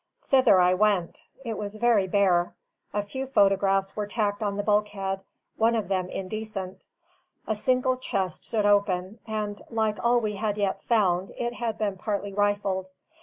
Thither I went. It was very bare; a few photographs were tacked on the bulkhead, one of them indecent; a single chest stood open, and, like all we had yet found, it had been partly rifled.